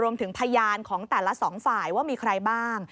รวมถึงพยานของแต่ละสองฝ่ายว่ามีใครบ้าง